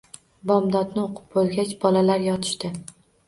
Bomdodni o`qib bo`lgach, bolalar yotishdi